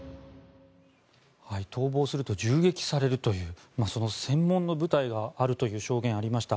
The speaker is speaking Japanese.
逃亡されると銃撃されるというその専門の部隊があるという証言、ありました。